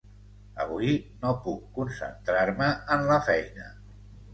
Avui no puc concentrar-me en la feina.